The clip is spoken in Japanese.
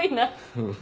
うん。